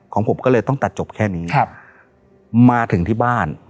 ผมก็เลยต้องตัดจบแค่นี้ครับมาถึงที่บ้าน